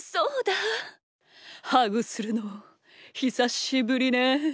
ハグするのひさしぶりね。